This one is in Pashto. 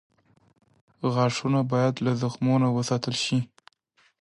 غاښونه باید له زخمونو وساتل شي.